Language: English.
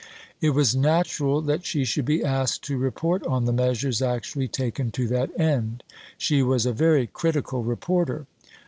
It was natural that she should be asked to report on the measures actually taken to that end. She was a very critical reporter.